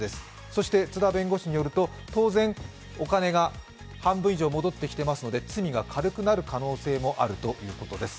そして津田弁護士によると当然、お金が半分以上戻ってきていますので罪が軽くなる可能性もあるということです。